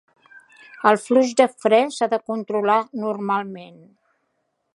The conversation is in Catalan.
El flux de fre s'ha de controlar normalment.